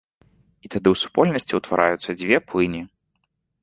І тады ў супольнасці ўтвараюцца дзве плыні.